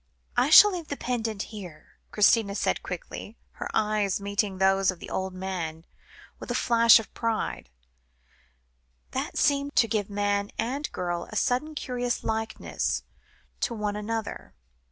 "I shall leave the pendant here," Christina said quickly, her eyes meeting those of the old man with a flash of pride, that seemed to give man and girl a sudden curious likeness to one another.